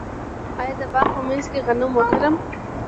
آیا د باغ په منځ کې غنم وکرم؟